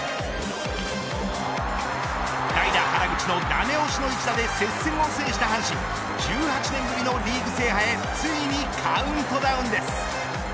代打原口のダメ押しの一打で接戦を制した阪神１８年ぶりのリーグ制覇へついにカウントダウンです。